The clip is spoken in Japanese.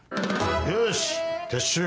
よし撤収。